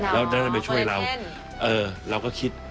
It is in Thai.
แล้วนั่นไปช่วยเราเออเราก็คิด